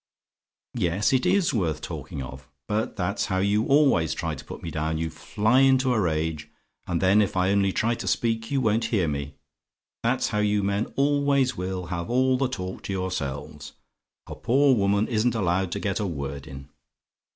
"Yes, it IS worth talking of! But that's how you always try to put me down. You fly into a rage, and then if I only try to speak you won't hear me. That's how you men always will have all the talk to yourselves: a poor woman isn't allowed to get a word in.